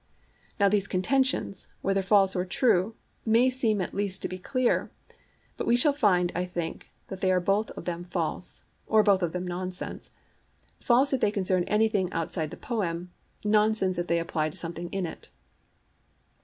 Now these contentions, whether false or true, may seem at least to be clear; but we shall find, I think, that they[Pg 18] are both of them false, or both of them nonsense: false if they concern anything outside the poem, nonsense if they apply to something in it.